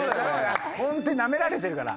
ホントにナメられてるから。